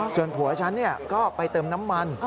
ส่วนผัวฉันก็ไปเติมน้ำมัน